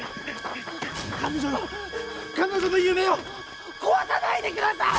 彼女の彼女の夢を壊さないでください！